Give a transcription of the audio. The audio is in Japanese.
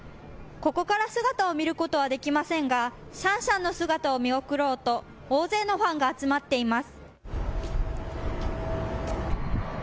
ここから姿を見ることはできませんがシャンシャンの姿を見送ろうと大勢のファンが集まっています。